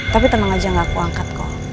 tapi tenang aja gak aku angkat kok